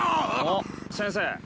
あっ先生。